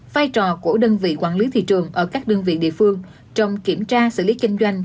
vai trò của đơn vị quản lý thị trường ở các đơn vị địa phương trong kiểm tra xử lý kinh doanh